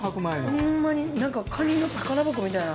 ホンマに何かカニの宝箱みたいな。